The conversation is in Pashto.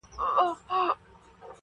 • ستا له تنګ نظره جُرم دی ذاهده,